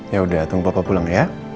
ya udah tunggu papa pulang ya